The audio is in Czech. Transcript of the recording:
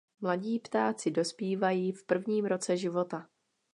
Mladí ptáci dospívají v prvním roce života.